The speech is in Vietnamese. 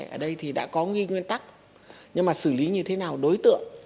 ở đây thì đã có nghi nguyên tắc nhưng mà xử lý như thế nào đối tượng cụ thể